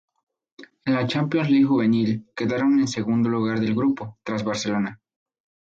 En la Champions League juvenil, quedaron en segundo lugar del grupo, tras Barcelona.